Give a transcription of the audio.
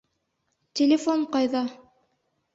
Телефон ҡайҙа?